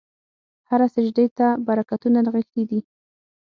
هره سجدې ته برکتونه نغښتي دي.